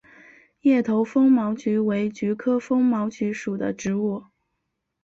叶头风毛菊为菊科风毛菊属的植物。